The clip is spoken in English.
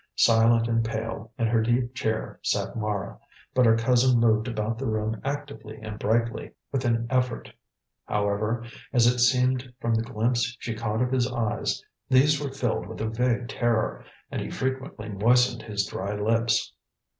Silent and pale, in her deep chair sat Mara, but her cousin moved about the room actively and brightly: with an effort, however, as it seemed from the glimpse she caught of his eyes. These were filled with a vague terror, and he frequently moistened his dry lips.